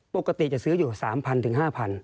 ปกติจะซื้ออยู่สามพันถึงห้าพัน